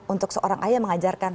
untuk seorang ayah mengajarkan